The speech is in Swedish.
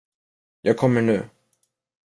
Jag kommer nu.